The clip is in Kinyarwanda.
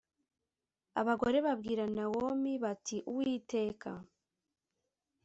Abagore babwira Nawomi bati Uwiteka